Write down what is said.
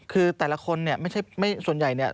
คือแต่ละคนเนี่ยส่วนใหญ่เนี่ย